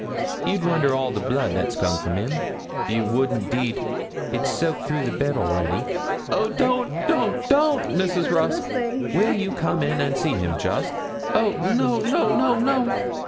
You'd wonder all the blood that's come from him you would indeed; it's soaked through the bed already.' 'Oh, don't, don't, don't, Mrs. Rusk.' 'Will you come in and see him, just? 'Oh, no, no, no, no!'